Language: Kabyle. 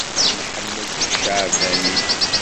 Nḥemmel ticeɛbanin.